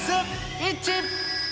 イッチ。